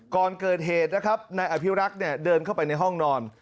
ก่อนเกิดเหตุนะครับนายอภิรักษ์เนี่ยเดินเข้าไปในห้องนอน